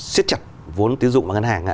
siết chặt vốn tiêu dụng vào ngân hàng